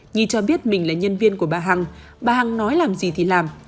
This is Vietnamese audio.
nhi cho biết mình là nhân viên của bà hằng bà hằng nói làm gì thì làm